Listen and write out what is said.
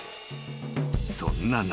［そんな中］